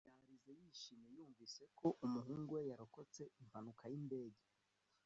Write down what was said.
yarize yishimye yumvise ko umuhungu we yarokotse impanuka y'indege